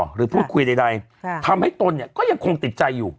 หรือพูดคุยใดทำให้ตนเนี่ยก็ยังคงติดใจอยู่